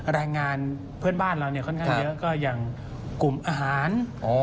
แรงงานเพื่อนบ้านเราเนี่ยค่อนข้างเยอะก็อย่างกลุ่มอาหาร